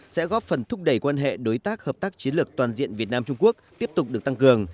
sẽ góp phần thúc đẩy quan hệ đối tác hợp tác chiến lược toàn diện việt nam trung quốc tiếp tục được tăng cường